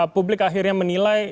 publik akhirnya menilai